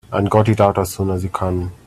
And got it out as soon as you can.